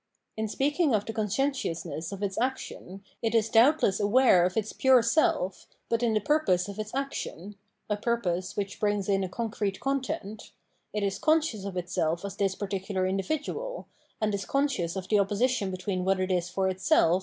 In speaking of the conscientiousness of its action, it is doubtless aware of its pure self, but in the purpose of its action — a purpose which brings in a concrete content — it is conscious of itself as this particular individual, and is conscious of the opposition between what it is for itself